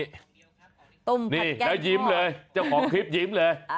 ต้มผัดแก้งทั่วนี่แล้วยิ้มเลยเจ้าของคลิปยิ้มเลย